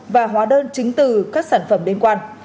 và hóa đơn chính từ các sản phẩm đềm quan